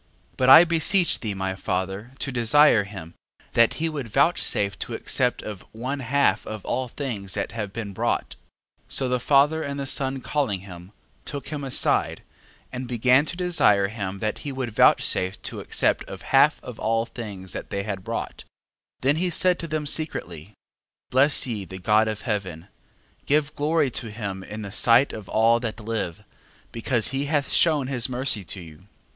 12:4. But I beseech thee, my father, to desire him, that he would vouchsafe to accept of one half of all things that have been brought. 12:5. So the father and the son calling him, took him aside: and began to desire him that he would vouchsafe to accept of half of all things that they had brought, 12:6. Then he said to them secretly, Bless ye the God of heaven, give glory to him in the sight of all that live, because he hath shewn his mercy to you.